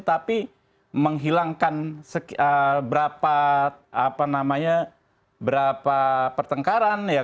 tapi menghilangkan berapa apa namanya berapa pertengkaran